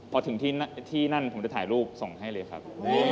พอถึงที่นั่นผมจะถ่ายรูปส่งให้เลยครับ